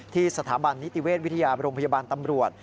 สถาบันนิติเวชวิทยาโรงพยาบาลตำรวจ